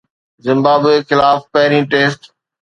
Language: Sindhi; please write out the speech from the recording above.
زمبابوي خلاف پهرين ٽيسٽ